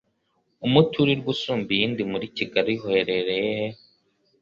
umuturirwa usumba iyindi muri Kigali uherereye he?